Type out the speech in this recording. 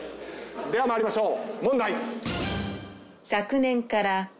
では参りましょう。